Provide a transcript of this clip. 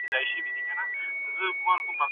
کتابونه وليکه؟!